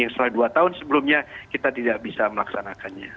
setelah dua tahun sebelumnya kita tidak bisa melaksanakannya